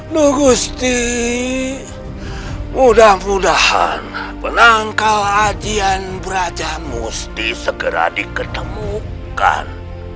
dugusti mudah mudahan penangkal ajian brajamusti segera diketemukan